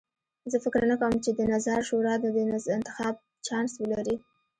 زه فکر نه کوم چې د نظار شورا دې د انتخاب چانس ولري.